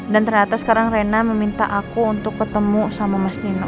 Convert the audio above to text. dan ternyata sekarang rena meminta aku untuk ketemu sama mas nino